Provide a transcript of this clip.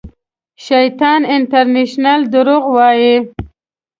شیطان انټرنېشنل درواغ وایي